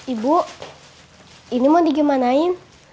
ibu ini mau digemanain